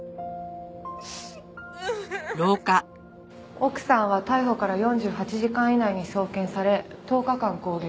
奥さんは逮捕から４８時間以内に送検され１０日間勾留。